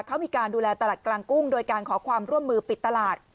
เขามีการดูแลตลาดกลางกุ้งโดยการขอความร่วมมือปิดตลาด